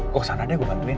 kok sana deh gue bantuin